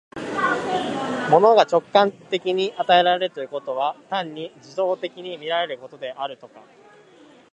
物が直観的に与えられるということは、単に受働的に見られることであるとか、